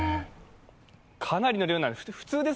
かなりの量なんです。